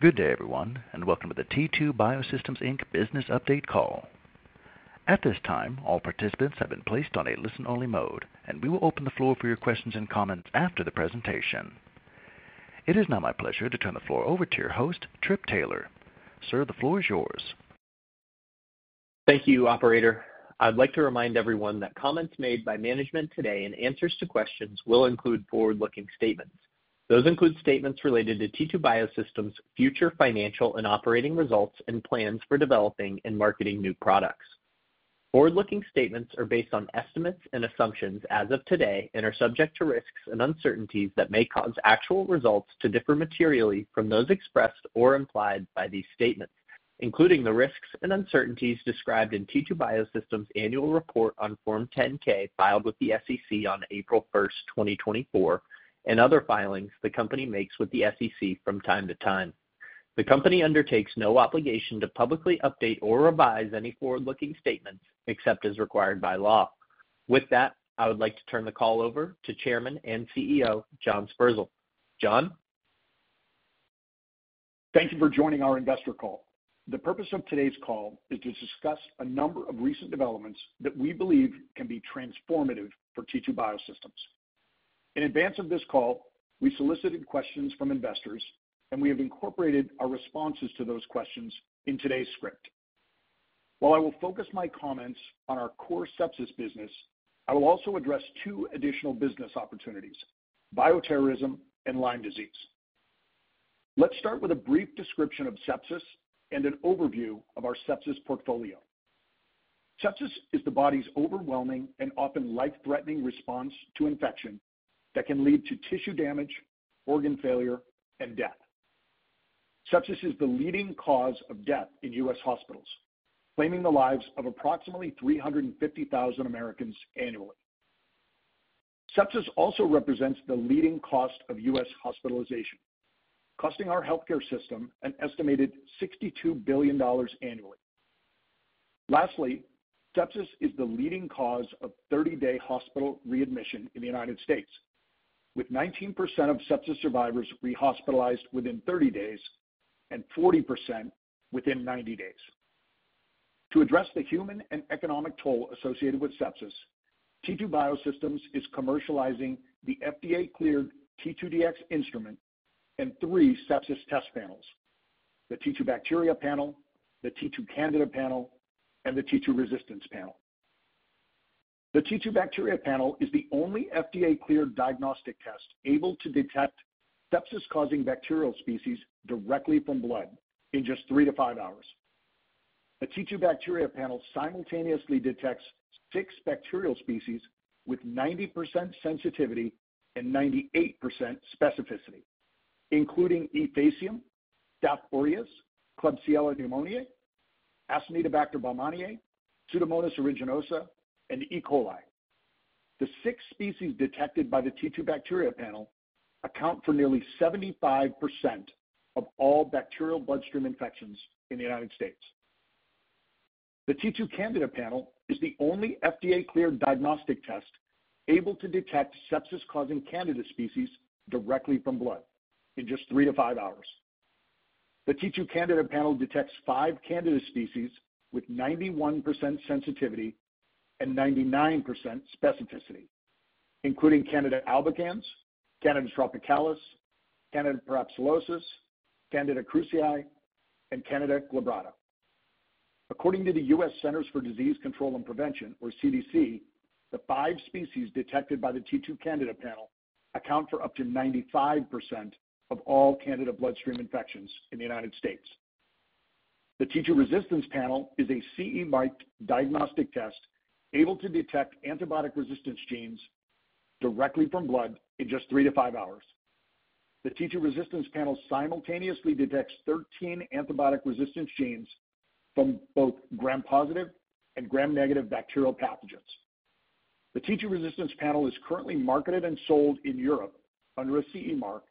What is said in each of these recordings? Good day, everyone, and welcome to the T2 Biosystems Inc. business update call. At this time, all participants have been placed on a listen-only mode, and we will open the floor for your questions and comments after the presentation. It is now my pleasure to turn the floor over to your host, Trip Taylor. Sir, the floor is yours. Thank you, operator. I'd like to remind everyone that comments made by management today and answers to questions will include forward-looking statements. Those include statements related to T2 Biosystems' future financial and operating results and plans for developing and marketing new products. Forward-looking statements are based on estimates and assumptions as of today and are subject to risks and uncertainties that may cause actual results to differ materially from those expressed or implied by these statements, including the risks and uncertainties described in T2 Biosystems' annual report on Form 10-K, filed with the SEC on April 1st, 2024, and other filings the company makes with the SEC from time to time. The company undertakes no obligation to publicly update or revise any forward-looking statements except as required by law. With that, I would like to turn the call over to Chairman and CEO, John Sperzel. John? Thank you for joining our investor call. The purpose of today's call is to discuss a number of recent developments that we believe can be transformative for T2 Biosystems. In advance of this call, we solicited questions from investors, and we have incorporated our responses to those questions in today's script. While I will focus my comments on our core sepsis business, I will also address two additional business opportunities: bioterrorism and Lyme disease. Let's start with a brief description of sepsis and an overview of our sepsis portfolio. Sepsis is the body's overwhelming and often life-threatening response to infection that can lead to tissue damage, organ failure, and death. Sepsis is the leading cause of death in U.S. hospitals, claiming the lives of approximately three hundred and fifty thousand Americans annually. Sepsis also represents the leading cost of U.S. hospitalization, costing our healthcare system an estimated $62 billion annually. Lastly, sepsis is the leading cause of 30-day hospital readmission in the United States, with 19% of sepsis survivors rehospitalized within 30 days and 40% within 90 days. To address the human and economic toll associated with sepsis, T2 Biosystems is commercializing the FDA-cleared T2Dx instrument and three sepsis test panels: the T2Bacteria Panel, the T2Candida Panel, and the T2Resistance Panel. The T2Bacteria Panel is the only FDA-cleared diagnostic test able to detect sepsis-causing bacterial species directly from blood in just 3 hours-5 hours. The T2Bacteria Panel simultaneously detects six bacterial species with 90% sensitivity and 98% specificity, including E. faecium, Staph aureus, Klebsiella pneumoniae, Acinetobacter baumannii, Pseudomonas aeruginosa, and E. coli. The six species detected by the T2Bacteria Panel account for nearly 75% of all bacterial bloodstream infections in the United States. The T2Candida Panel is the only FDA-cleared diagnostic test able to detect sepsis-causing Candida species directly from blood in just three to five hours. The T2Candida Panel detects five Candida species with 91% sensitivity and 99% specificity, including Candida albicans, Candida tropicalis, Candida parapsilosis, Candida krusei, and Candida glabrata. According to the U.S. Centers for Disease Control and Prevention, or CDC, the five species detected by the T2Candida Panel account for up to 95% of all Candida bloodstream infections in the United States. The T2Resistance Panel is a CE-marked diagnostic test able to detect antibiotic resistance genes directly from blood in just three to five hours. The T2Resistance Panel simultaneously detects thirteen antibiotic resistance genes from both Gram-positive and Gram-negative bacterial pathogens. The T2Resistance Panel is currently marketed and sold in Europe under a CE mark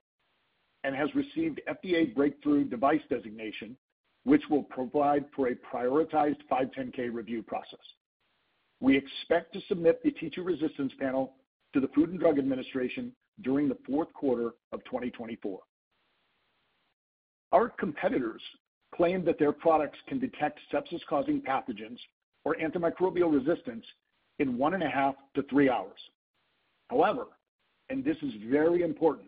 and has received FDA Breakthrough Device Designation, which will provide for a prioritized 510(k) review process. We expect to submit the T2Resistance Panel to the Food and Drug Administration during the fourth quarter of 2024. Our competitors claim that their products can detect sepsis-causing pathogens or antimicrobial resistance in one and a half to three hours. However, and this is very important,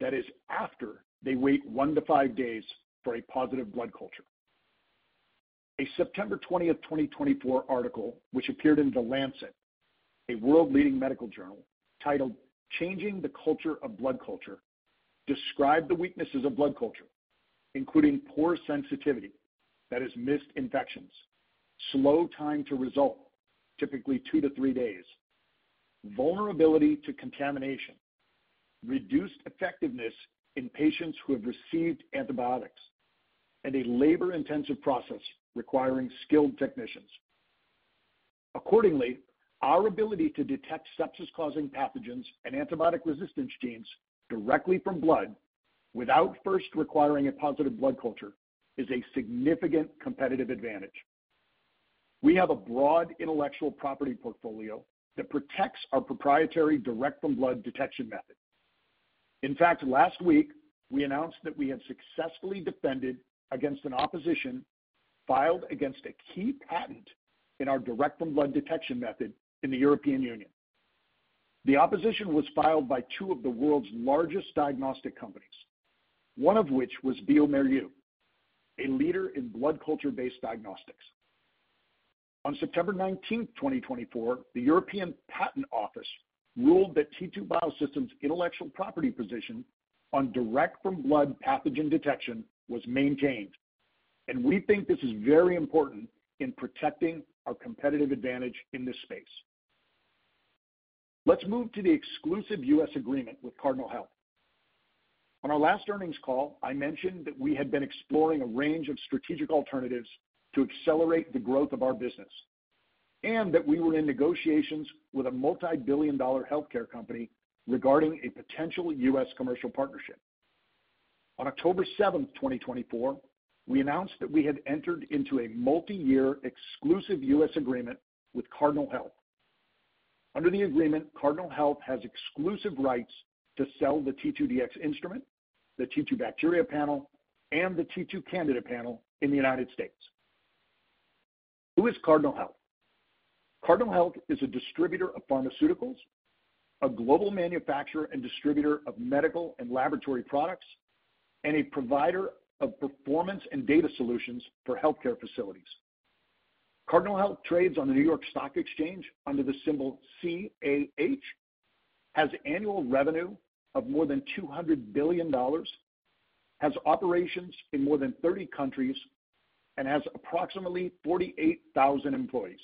that is after they wait one to five days for a positive blood culture. A September 20, 2024 article, which appeared in The Lancet, a world-leading medical journal, titled Changing the Culture of Blood Culture, described the weaknesses of blood culture, including poor sensitivity, that is missed infections, slow time to result, typically two to three days, vulnerability to contamination, reduced effectiveness in patients who have received antibiotics, and a labor-intensive process requiring skilled technicians. Accordingly, our ability to detect sepsis-causing pathogens and antibiotic resistance genes directly from blood without first requiring a positive blood culture is a significant competitive advantage. We have a broad intellectual property portfolio that protects our proprietary direct from blood detection method. In fact, last week, we announced that we had successfully defended against an opposition filed against a key patent in our direct from blood detection method in the European Union. The opposition was filed by two of the world's largest diagnostic companies, one of which was bioMérieux, a leader in blood culture-based diagnostics. On September 19, 2024, the European Patent Office ruled that T2 Biosystems' intellectual property position on direct from blood pathogen detection was maintained, and we think this is very important in protecting our competitive advantage in this space. Let's move to the exclusive U.S. agreement with Cardinal Health. On our last earnings call, I mentioned that we had been exploring a range of strategic alternatives to accelerate the growth of our business, and that we were in negotiations with a multi-billion dollar healthcare company regarding a potential U.S. commercial partnership. On October 7th, 2024, we announced that we had entered into a multiyear exclusive U.S. agreement with Cardinal Health. Under the agreement, Cardinal Health has exclusive rights to sell the T2Dx instrument, the T2Bacteria Panel, and the T2Candida Panel in the United States. Who is Cardinal Health? Cardinal Health is a distributor of pharmaceuticals, a global manufacturer and distributor of medical and laboratory products, and a provider of performance and data solutions for healthcare facilities. Cardinal Health trades on the New York Stock Exchange under the symbol CAH, has annual revenue of more than $200 billion, has operations in more than 30 countries, and has approximately 48,000 employees.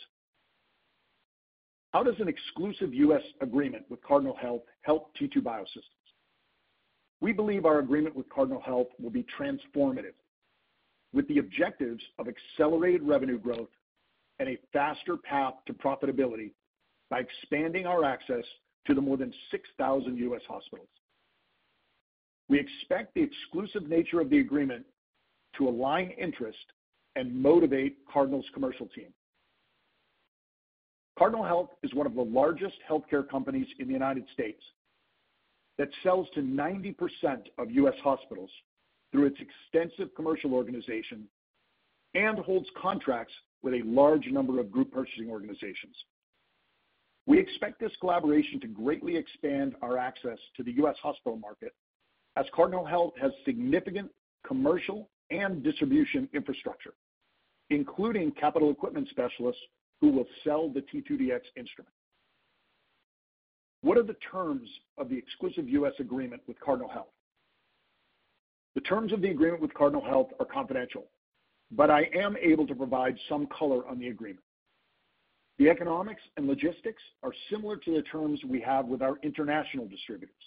How does an exclusive U.S. agreement with Cardinal Health help T2 Biosystems? We believe our agreement with Cardinal Health will be transformative, with the objectives of accelerated revenue growth and a faster path to profitability by expanding our access to the more than 6,000 U.S. hospitals. We expect the exclusive nature of the agreement to align interest and motivate Cardinal's commercial team. Cardinal Health is one of the largest healthcare companies in the United States that sells to 90% of U.S. hospitals through its extensive commercial organization and holds contracts with a large number of group purchasing organizations. We expect this collaboration to greatly expand our access to the U.S. hospital market, as Cardinal Health has significant commercial and distribution infrastructure, including capital equipment specialists, who will sell the T2Dx instrument. What are the terms of the exclusive U.S. agreement with Cardinal Health? The terms of the agreement with Cardinal Health are confidential, but I am able to provide some color on the agreement. The economics and logistics are similar to the terms we have with our international distributors.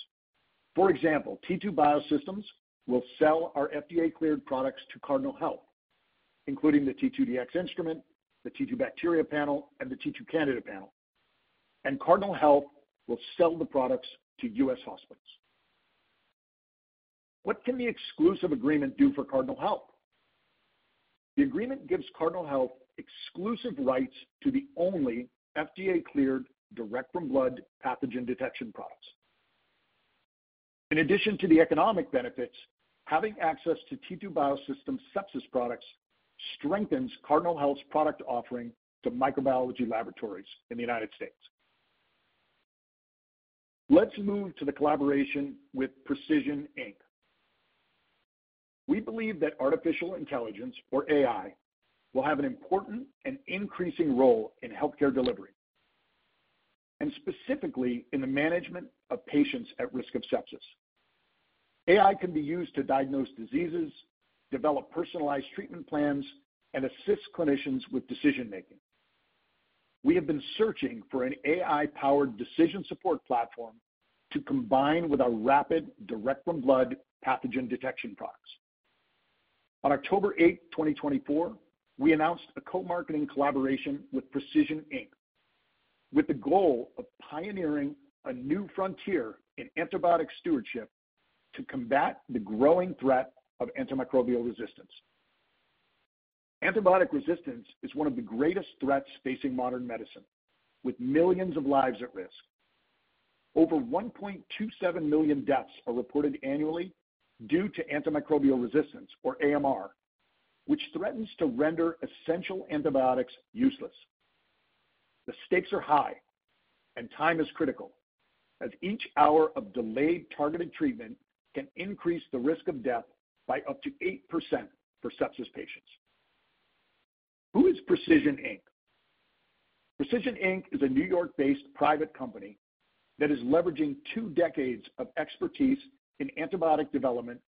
For example, T2 Biosystems will sell our FDA-cleared products to Cardinal Health, including the T2Dx instrument, the T2Bacteria Panel, and the T2Candida Panel, and Cardinal Health will sell the products to U.S. hospitals. What can the exclusive agreement do for Cardinal Health? The agreement gives Cardinal Health exclusive rights to the only FDA-cleared, direct from blood pathogen detection products. In addition to the economic benefits, having access to T2 Biosystems sepsis products strengthens Cardinal Health's product offering to microbiology laboratories in the United States. Let's move to the collaboration with Precision Inc. We believe that artificial intelligence, or AI, will have an important and increasing role in healthcare delivery, and specifically in the management of patients at risk of sepsis. AI can be used to diagnose diseases, develop personalized treatment plans, and assist clinicians with decision-making. We have been searching for an AI-powered decision support platform to combine with our rapid, direct from blood pathogen detection products. On October 8, 2024, we announced a co-marketing collaboration with Precision Inc., with the goal of pioneering a new frontier in antibiotic stewardship to combat the growing threat of antimicrobial resistance. Antibiotic resistance is one of the greatest threats facing modern medicine, with millions of lives at risk. Over 1.27 million deaths are reported annually due to antimicrobial resistance, or AMR, which threatens to render essential antibiotics useless. The stakes are high, and time is critical, as each hour of delayed targeted treatment can increase the risk of death by up to 8% for sepsis patients. Who is Precision Inc.? Precision Inc. is a New York-based private company that is leveraging two decades of expertise in antibiotic development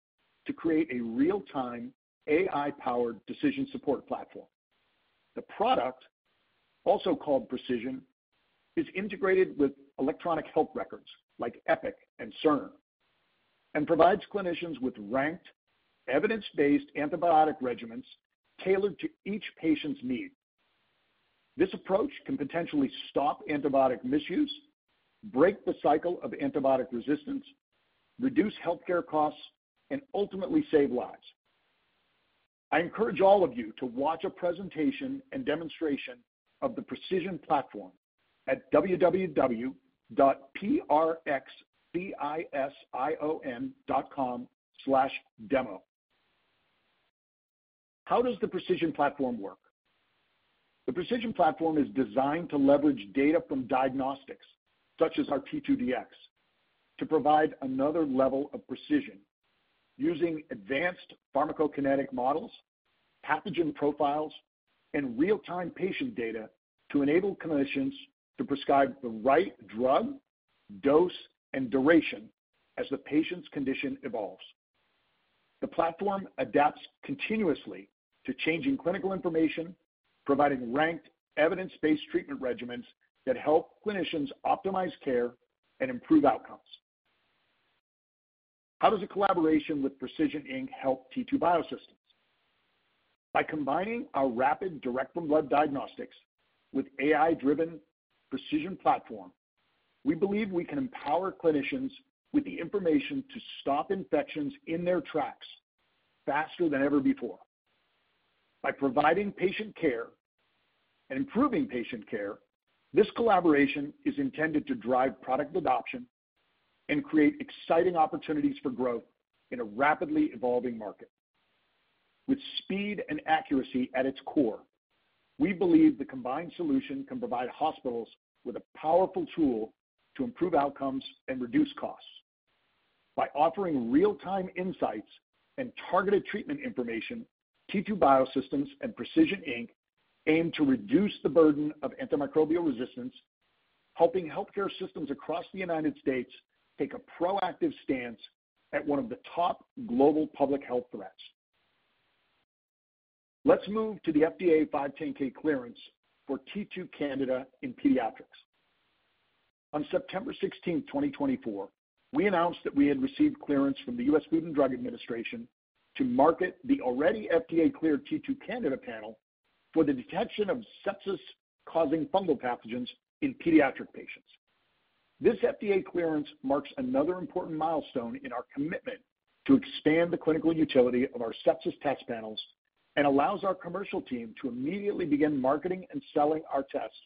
to create a real-time, AI-powered decision support platform. The product, also called Precision, is integrated with electronic health records like Epic and Cerner, and provides clinicians with ranked, evidence-based antibiotic regimens tailored to each patient's needs. This approach can potentially stop antibiotic misuse, break the cycle of antibiotic resistance, reduce healthcare costs, and ultimately save lives. I encourage all of you to watch a presentation and demonstration of the Precision platform at www.precision.com/demo. How does the Precision platform work? The Precision platform is designed to leverage data from diagnostics, such as our T2Dx, to provide another level of precision using advanced pharmacokinetic models, pathogen profiles, and real-time patient data to enable clinicians to prescribe the right drug, dose, and duration as the patient's condition evolves. The platform adapts continuously to changing clinical information, providing ranked, evidence-based treatment regimens that help clinicians optimize care and improve outcomes. How does a collaboration with Precision Inc. help T2 Biosystems? By combining our rapid direct-from-blood diagnostics with AI-driven Precision platform, we believe we can empower clinicians with the information to stop infections in their tracks faster than ever before. By providing patient care and improving patient care, this collaboration is intended to drive product adoption and create exciting opportunities for growth in a rapidly evolving market. With speed and accuracy at its core, we believe the combined solution can provide hospitals with a powerful tool to improve outcomes and reduce costs. By offering real-time insights and targeted treatment information, T2 Biosystems and Precision Inc. aim to reduce the burden of antimicrobial resistance, helping healthcare systems across the United States take a proactive stance at one of the top global public health threats. Let's move to the FDA 510(k) clearance for T2Candida in pediatrics. On September 16th, 2024, we announced that we had received clearance from the U.S. Food and Drug Administration to market the already FDA-cleared T2Candida Panel for the detection of sepsis-causing fungal pathogens in pediatric patients. This FDA clearance marks another important milestone in our commitment to expand the clinical utility of our sepsis test panels and allows our commercial team to immediately begin marketing and selling our tests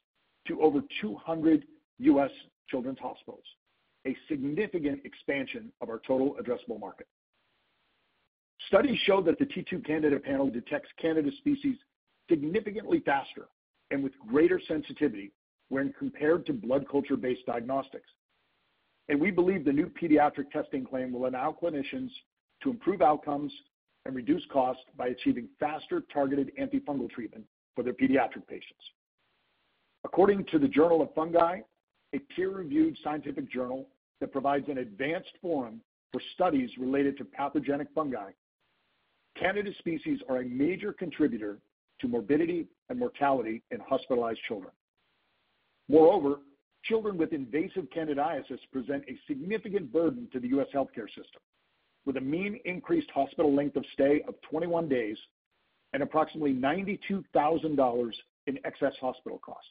to over 200 U.S. children's hospitals, a significant expansion of our total addressable market. Studies show that the T2Candida Panel detects Candida species significantly faster and with greater sensitivity when compared to blood culture-based diagnostics. We believe the new pediatric testing claim will allow clinicians to improve outcomes and reduce costs by achieving faster, targeted antifungal treatment for their pediatric patients. According to the Journal of Fungi, a peer-reviewed scientific journal that provides an advanced forum for studies related to pathogenic fungi, Candida species are a major contributor to morbidity and mortality in hospitalized children. Moreover, children with invasive candidiasis present a significant burden to the U.S. healthcare system, with a mean increased hospital length of stay of 21 days and approximately $92,000 in excess hospital costs.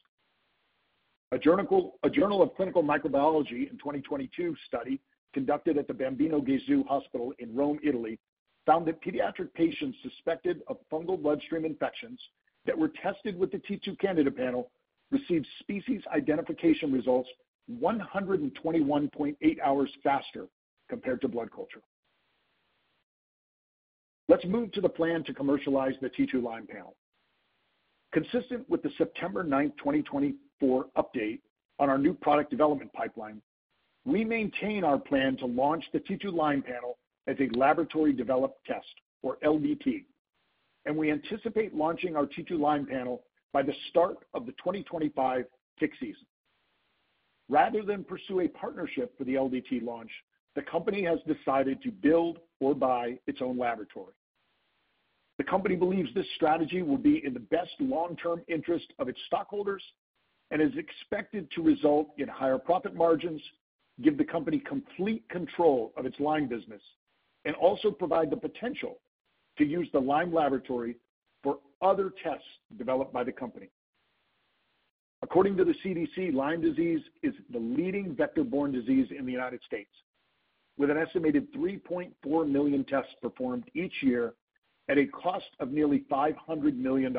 A Journal of Clinical Microbiology 2022 study conducted at the Bambino Gesù Hospital in Rome, Italy, found that pediatric patients suspected of fungal bloodstream infections that were tested with the T2Candida Panel received species identification results 121.8 hours faster compared to blood culture. Let's move to the plan to commercialize the T2Lyme Panel. Consistent with the September 9, 2024 update on our new product development pipeline, we maintain our plan to launch the T2Lyme Panel as a laboratory-developed test, or LDT, and we anticipate launching our T2Lyme Panel by the start of the 2025 tick season. Rather than pursue a partnership for the LDT launch, the company has decided to build or buy its own laboratory. The company believes this strategy will be in the best long-term interest of its stockholders and is expected to result in higher profit margins, give the company complete control of its Lyme business, and also provide the potential to use the Lyme laboratory for other tests developed by the company. According to the CDC, Lyme disease is the leading vector-borne disease in the United States, with an estimated 3.4 million tests performed each year at a cost of nearly $500 million.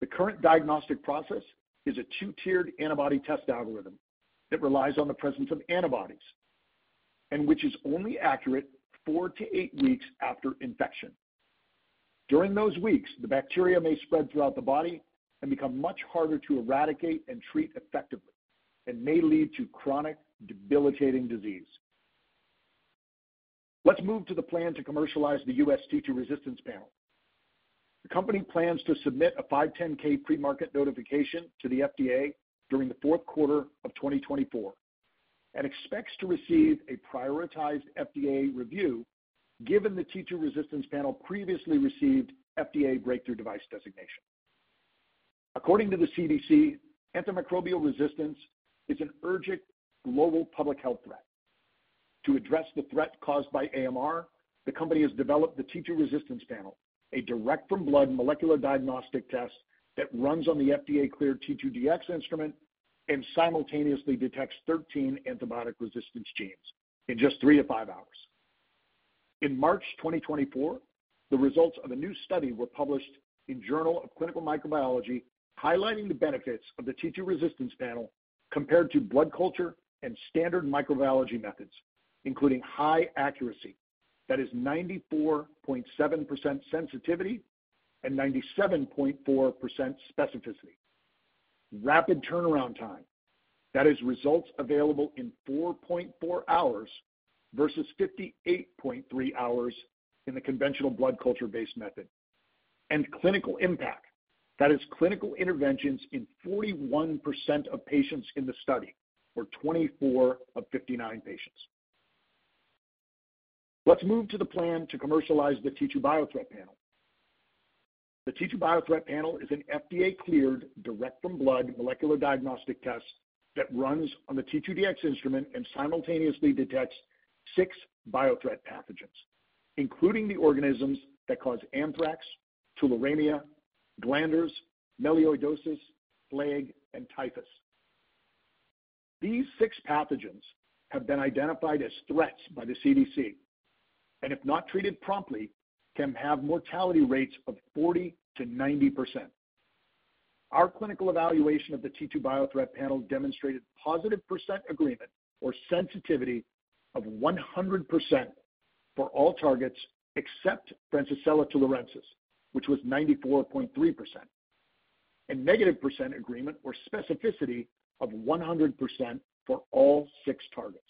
The current diagnostic process is a two-tiered antibody test algorithm that relies on the presence of antibodies and which is only accurate four to eight weeks after infection. During those weeks, the bacteria may spread throughout the body and become much harder to eradicate and treat effectively and may lead to chronic, debilitating disease. Let's move to the plan to commercialize the U.S. T2Resistance Panel. The company plans to submit a 510(k) premarket notification to the FDA during the fourth quarter of 2024 and expects to receive a prioritized FDA review, given the T2Resistance Panel previously received FDA Breakthrough Device Designation. According to the CDC, antimicrobial resistance is an urgent global public health threat. To address the threat caused by AMR, the company has developed the T2Resistance Panel, a direct from blood molecular diagnostic test that runs on the FDA-cleared T2Dx Instrument and simultaneously detects 13 antibiotic resistance genes in just 3 hours-5 hours. In March 2024, the results of a new study were published in Journal of Clinical Microbiology, highlighting the benefits of the T2Resistance Panel compared to blood culture and standard microbiology methods, including high accuracy. That is 94.7% sensitivity and 97.4% specificity. Rapid turnaround time, that is, results available in 4.4 hours versus 58.3 hours in the conventional blood culture-based method. Clinical impact, that is, clinical interventions in 41% of patients in the study, or 24 of 59 patients. Let's move to the plan to commercialize the T2Biothreat Panel. The T2Biothreat Panel is an FDA-cleared, direct from blood molecular diagnostic test that runs on the T2Dx instrument and simultaneously detects six biothreat pathogens, including the organisms that cause anthrax, tularemia, glanders, melioidosis, plague, and typhus. These six pathogens have been identified as threats by the CDC, and if not treated promptly, can have mortality rates of 40%-90%. Our clinical evaluation of the T2Biothreat Panel demonstrated positive percent agreement or sensitivity of 100% for all targets except Francisella tularensis, which was 94.3%, and negative percent agreement or specificity of 100% for all six targets.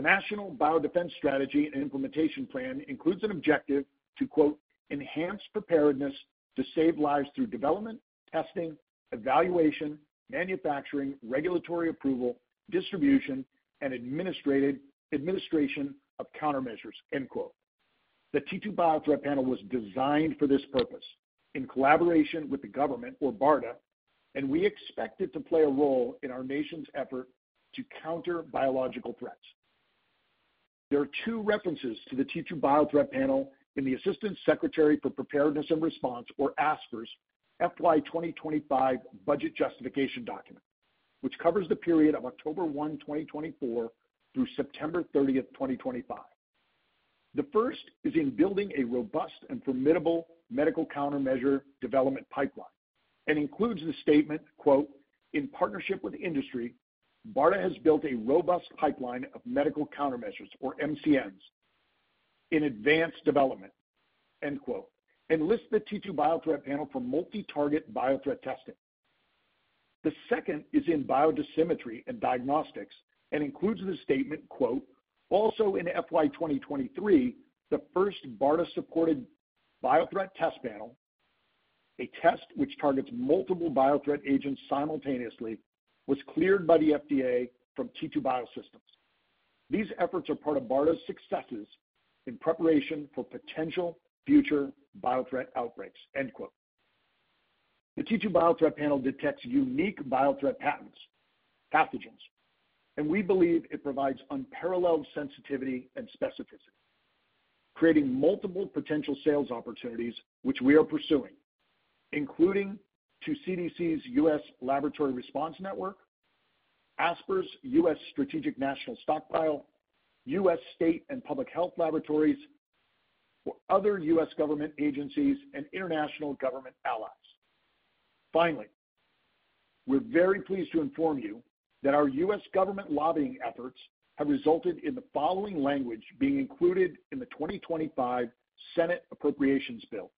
The National Biodefense Strategy and Implementation Plan includes an objective to, quote, "enhance preparedness to save lives through development, testing, evaluation, manufacturing, regulatory approval, distribution, and administration of countermeasures," end quote. The T2Biothreat Panel was designed for this purpose in collaboration with the government or BARDA, and we expect it to play a role in our nation's effort to counter biological threats. There are two references to the T2Biothreat Panel in the Administration for Strategic Preparedness and Response, or ASPR's, FY 2025 budget justification document, which covers the period of October 1, 2024, through September 30, 2025. The first is in building a robust and formidable medical countermeasure development pipeline and includes the statement, quote, "In partnership with industry, BARDA has built a robust pipeline of medical countermeasures, or MCMs, in advanced development," end quote, and lists the T2Biothreat Panel for multi-target biothreat testing. The second is in biodosimetry and diagnostics and includes the statement, quote, "Also in FY 2023, the first BARDA-supported biothreat test panel, a test which targets multiple biothreat agents simultaneously, was cleared by the FDA from T2 Biosystems. These efforts are part of BARDA's successes in preparation for potential future biothreat outbreaks," end quote. The T2Biothreat Panel detects unique biothreat pathogens, and we believe it provides unparalleled sensitivity and specificity, creating multiple potential sales opportunities, which we are pursuing, including to CDC's U.S. Laboratory Response Network, ASPR's U.S. Strategic National Stockpile, U.S. state and public health laboratories, or other U.S. government agencies and international government allies. Finally, we're very pleased to inform you that our U.S. government lobbying efforts have resulted in the following language being included in the 2025 Senate Appropriations Bill.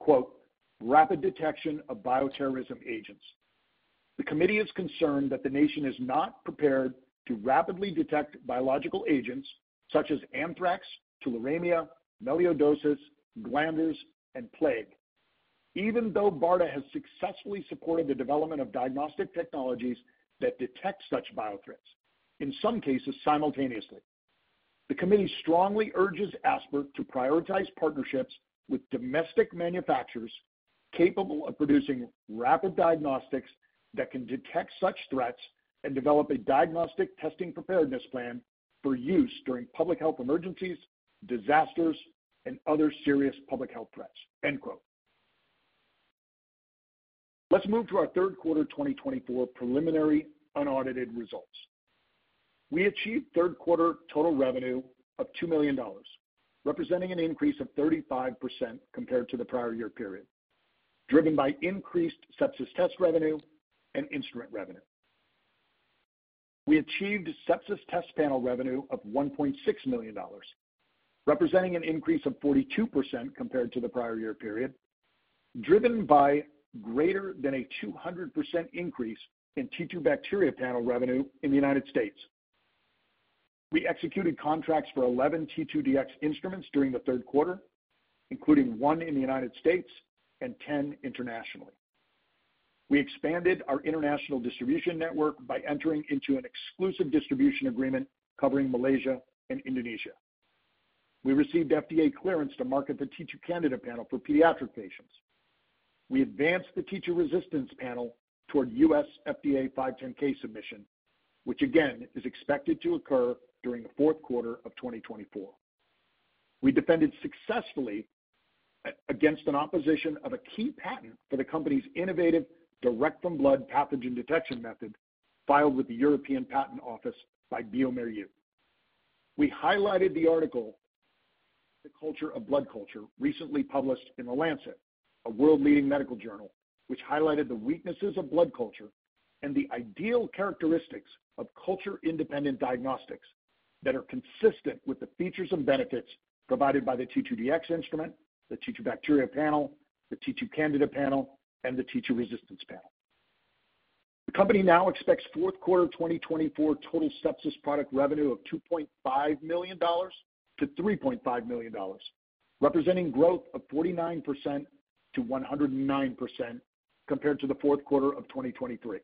Quote, "Rapid detection of bioterrorism agents. The committee is concerned that the nation is not prepared to rapidly detect biological agents such as anthrax, tularemia, melioidosis, glanders, and plague, even though BARDA has successfully supported the development of diagnostic technologies that detect such biothreats, in some cases, simultaneously. The committee strongly urges ASPR to prioritize partnerships with domestic manufacturers capable of producing rapid diagnostics that can detect such threats and develop a diagnostic testing preparedness plan for use during public health emergencies, disasters, and other serious public health threats," end quote. Let's move to our third quarter 2024 preliminary unaudited results. We achieved third quarter total revenue of $2 million, representing an increase of 35% compared to the prior year period, driven by increased sepsis test revenue and instrument revenue. We achieved sepsis test panel revenue of $1.6 million, representing an increase of 42% compared to the prior year period, driven by greater than a 200% increase in T2Bacteria Panel revenue in the United States. We executed contracts for 11 T2Dx instruments during the third quarter, including 1 in the United States and 10 internationally. We expanded our international distribution network by entering into an exclusive distribution agreement covering Malaysia and Indonesia. We received FDA clearance to market the T2Candida Panel for pediatric patients. We advanced the T2Resistance Panel toward U.S. FDA 510(k) submission, which again, is expected to occur during the fourth quarter of 2024. We defended successfully against an opposition of a key patent for the company's innovative direct-from-blood pathogen detection method, filed with the European Patent Office by bioMérieux. We highlighted the article, "The Culture of Blood Culture," recently published in The Lancet, a world-leading medical journal, which highlighted the weaknesses of blood culture and the ideal characteristics of culture-independent diagnostics that are consistent with the features and benefits provided by the T2Dx instrument, the T2Bacteria Panel, the T2Candida Panel, and the T2Resistance Panel. The company now expects fourth quarter 2024 total sepsis product revenue of $2.5 million-$3.5 million, representing growth of 49%-109% compared to the fourth quarter of 2023.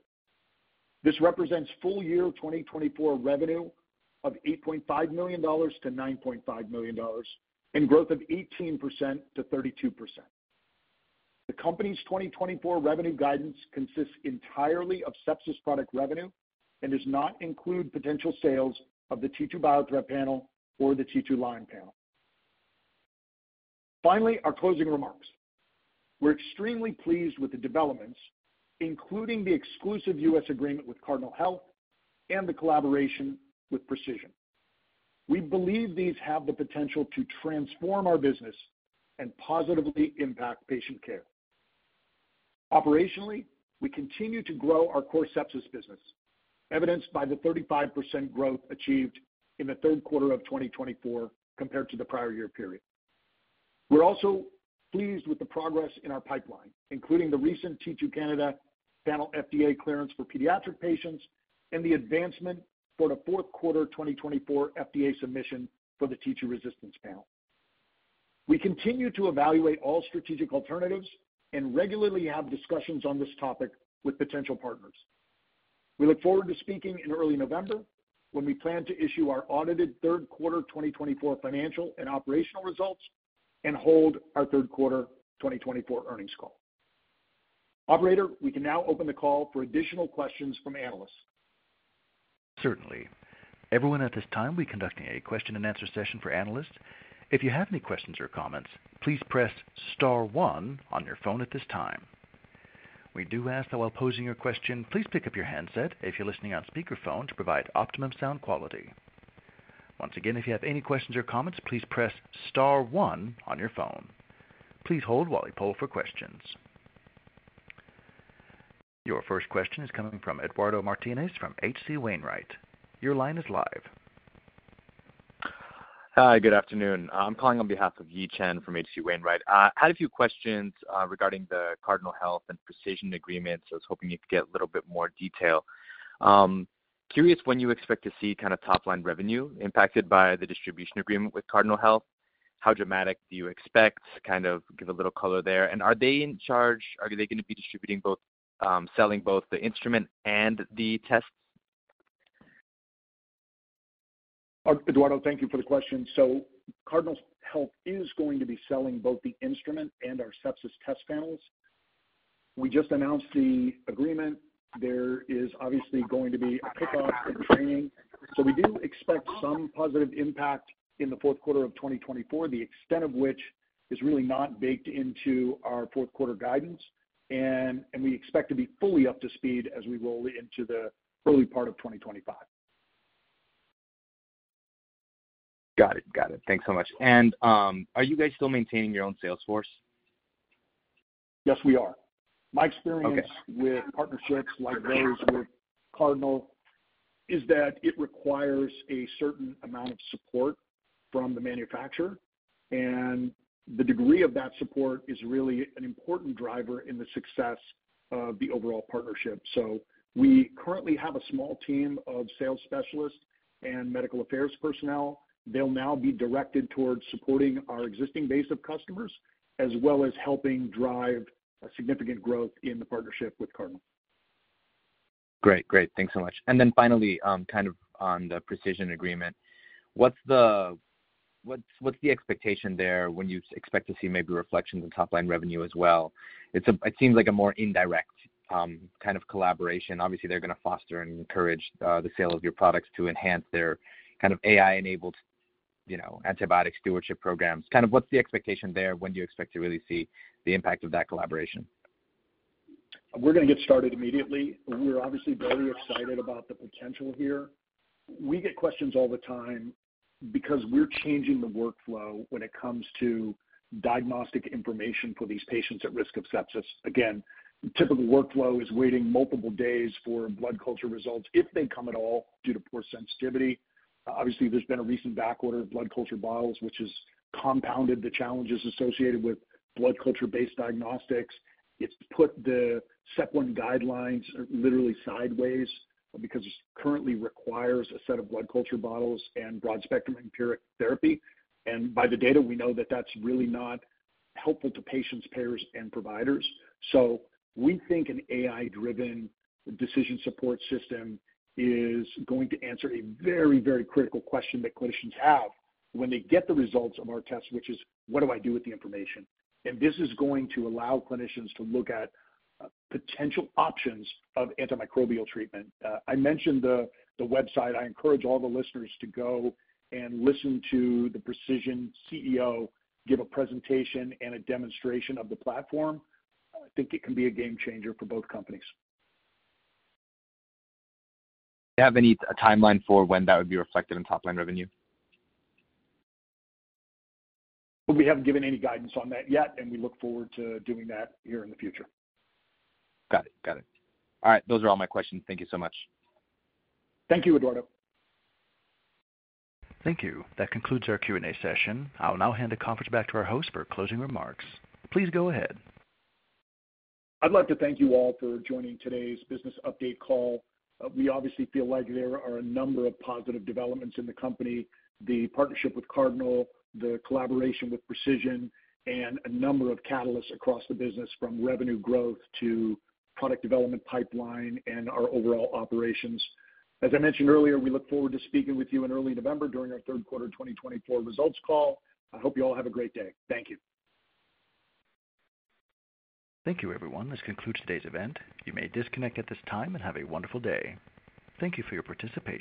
This represents full year 2024 revenue of $8.5 million-$9.5 million and growth of 18%-32%. The company's 2024 revenue guidance consists entirely of sepsis product revenue and does not include potential sales of the T2Biothreat Panel or the T2Lyme Panel. Finally, our closing remarks. We're extremely pleased with the developments, including the exclusive US agreement with Cardinal Health and the collaboration with Precision. We believe these have the potential to transform our business and positively impact patient care. Operationally, we continue to grow our core sepsis business, evidenced by the 35% growth achieved in the third quarter of 2024 compared to the prior year period. We're also pleased with the progress in our pipeline, including the recent T2Candida Panel FDA clearance for pediatric patients and the advancement for the fourth quarter 2024 FDA submission for the T2Resistance Panel. We continue to evaluate all strategic alternatives and regularly have discussions on this topic with potential partners. We look forward to speaking in early November, when we plan to issue our audited third quarter 2024 financial and operational results and hold our third quarter 2024 earnings call. Operator, we can now open the call for additional questions from analysts. Certainly. Everyone, at this time, we're conducting a question-and-answer session for analysts. If you have any questions or comments, please press star one on your phone at this time. We do ask that while posing your question, please pick up your handset if you're listening on speakerphone to provide optimum sound quality. Once again, if you have any questions or comments, please press star one on your phone. Please hold while we poll for questions. Your first question is coming from Eduardo Martinez from H.C. Wainwright. Your line is live. Hi, good afternoon. I'm calling on behalf of Yi Chen from H.C. Wainwright. Had a few questions regarding the Cardinal Health and Precision agreement, so I was hoping you could get a little bit more detail. Curious when you expect to see kind of top-line revenue impacted by the distribution agreement with Cardinal Health? How dramatic do you expect? Kind of give a little color there. And are they in charge? Are they gonna be distributing both, selling both the instrument and the tests? Eduardo, thank you for the question. So Cardinal Health is going to be selling both the instrument and our sepsis test panels. We just announced the agreement. There is obviously going to be a kickoff and training, so we do expect some positive impact in the fourth quarter of 2024, the extent of which is really not baked into our fourth quarter guidance. And we expect to be fully up to speed as we roll into the early part of 2025. Got it. Got it. Thanks so much. And, are you guys still maintaining your own sales force? Yes, we are. Okay. My experience with partnerships like those with Cardinal is that it requires a certain amount of support from the manufacturer, and the degree of that support is really an important driver in the success of the overall partnership, so we currently have a small team of sales specialists and medical affairs personnel. They'll now be directed towards supporting our existing base of customers, as well as helping drive a significant growth in the partnership with Cardinal. Great. Great. Thanks so much. And then finally, kind of on the Precision agreement. What's the expectation there when you expect to see maybe reflections on top-line revenue as well? It seems like a more indirect kind of collaboration. Obviously, they're gonna foster and encourage the sale of your products to enhance their kind of AI-enabled, you know, antibiotic stewardship programs. Kind of what's the expectation there? When do you expect to really see the impact of that collaboration? We're gonna get started immediately. We're obviously very excited about the potential here. We get questions all the time because we're changing the workflow when it comes to diagnostic information for these patients at risk of sepsis. Again, typical workflow is waiting multiple days for blood culture results, if they come at all, due to poor sensitivity. Obviously, there's been a recent backorder of blood culture bottles, which has compounded the challenges associated with blood culture-based diagnostics. It's put the SEP-1 guidelines literally sideways because it currently requires a set of blood culture bottles and broad-spectrum empiric therapy, and by the data, we know that that's really not helpful to patients, payers, and providers. So we think an AI-driven decision support system is going to answer a very, very critical question that clinicians have when they get the results of our test, which is: What do I do with the information? And this is going to allow clinicians to look at potential options of antimicrobial treatment. I mentioned the website. I encourage all the listeners to go and listen to the Precision CEO give a presentation and a demonstration of the platform. I think it can be a game changer for both companies. Do you have any timeline for when that would be reflected in top-line revenue? We haven't given any guidance on that yet, and we look forward to doing that here in the future. Got it. Got it. All right, those are all my questions. Thank you so much. Thank you, Eduardo. Thank you. That concludes our Q&A session. I'll now hand the conference back to our host for closing remarks. Please go ahead. I'd like to thank you all for joining today's business update call. We obviously feel like there are a number of positive developments in the company, the partnership with Cardinal, the collaboration with Precision, and a number of catalysts across the business, from revenue growth to product development pipeline and our overall operations. As I mentioned earlier, we look forward to speaking with you in early November during our third quarter 2024 results call. I hope you all have a great day. Thank you. Thank you, everyone. This concludes today's event. You may disconnect at this time and have a wonderful day. Thank you for your participation.